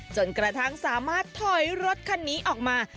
จนกระทั่งสามารถถอยรถคันนี้ออกมา